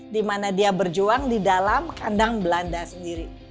di mana dia berjuang di dalam kandang belanda sendiri